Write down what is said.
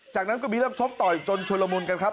จากนั้นก็มีเรื่องชกต่อยจนชุลมุนกันครับ